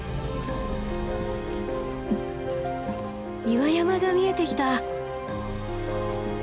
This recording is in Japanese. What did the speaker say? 岩山が見えてきた。